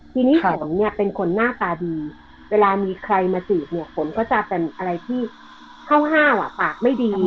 ทีนี้ฝนเนี่ยเป็นคนหน้าตาดีเวลามีใครมาจีบเนี่ยฝนก็จะเป็นอะไรที่ห้าวปากไม่ดี